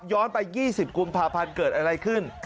ไป๒๐กุมภาพันธ์เกิดอะไรขึ้น